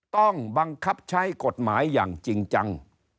ต้องบังคับใช้กฎหมายอย่างจริงจัง